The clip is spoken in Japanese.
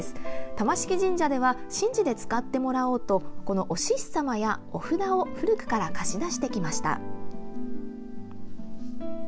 玉敷神社では神事で使ってもらおうとおしっさまや、お札を古くから貸し出してきました。